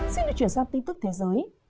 xin được chuyển sang tin tức thế giới